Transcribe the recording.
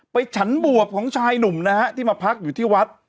ไปฉันบวบของชายหนุ่มนะครับ